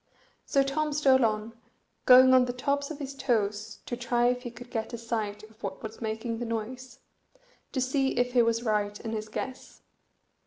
So Tom stole on, going on the tops of his toes to try if he could get a sight of what was making the noise, to see if he was right in his guess.